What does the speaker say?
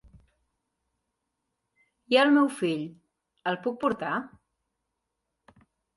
I el meu fill, el puc portar?